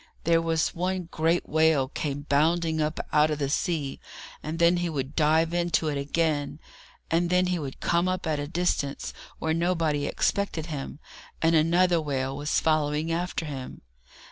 There was one great whale came bounding up out of the sea, and then he would dive into it again, and then he would come up at a distance where nobody expected him, and another whale was following after him.